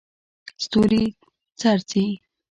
ستوري څرڅي.